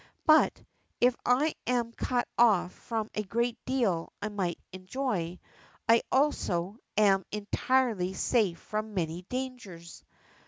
But, if I am cut .off from a great deal I might enjoy, I also am entirely safe from many dangers.